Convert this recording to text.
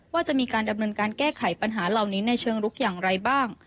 ว่าจะมีการดำเนินการแก้ไขปัญหาเหล่านี้ในเชิงลุกอย่างไรบ้าง